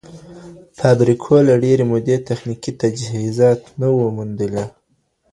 فابريکو له ډيرې مودې تخنيکي تجهيزات نه وو موندلي.